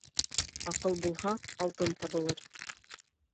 Аҡыл булһа, алтын табылыр.